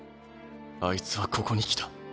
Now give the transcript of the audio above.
あいつはここに来た。